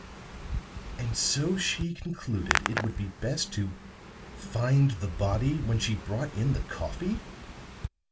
"And so she concluded it would be best to 'find the body' when she brought in the coffee?"